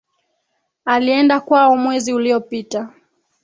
Alienda kwao mwezi uliopita.